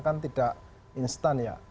kan tidak instan ya